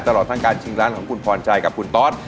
ตลอดทั้งการชิงร้านของคุณพรชัยกับคุณตอส